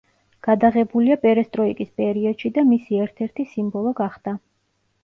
გადაღებულია „პერესტროიკის“ პერიოდში და მისი ერთ-ერთი სიმბოლო გახდა.